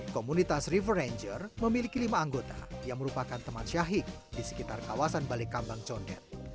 komunitas river ranger memiliki lima anggota yang merupakan teman syahik di sekitar kawasan balikambang conget